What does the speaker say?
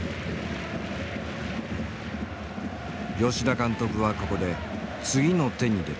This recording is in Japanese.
吉田監督はここで次の手に出た。